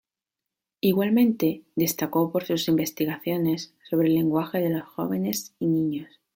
Igualmente, destacó por sus investigaciones sobre el lenguaje de los jóvenes y niños.